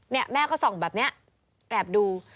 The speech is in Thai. แล้วก็ส่องแบบนี้แกรบดู